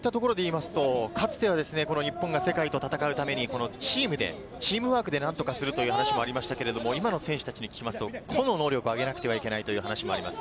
かつては日本が世界と戦うためにチームでチームワークで何とかするという話もありましたが、今の選手たちに聞くと、個の能力を上げなきゃいけないという話もあります。